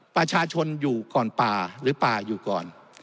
ประชาชนอยู่ก่อนป่าหรือป่าอยู่ก่อน